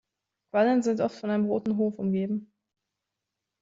Quaddeln sind oft von einem roten Hof umgeben.